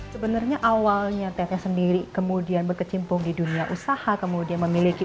sebenarnya awalnya teteh sendiri kemudian berkecimpung di dunia usaha kemudian memiliki